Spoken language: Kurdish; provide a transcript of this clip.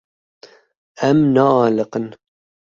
Em naaliqin.